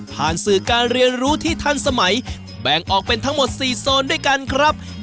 ผ่านสื่อการเรียนรู้ที่ทันสมัยแบ่งออกเป็นทั้งหมด๔โซนด้วยกันครับ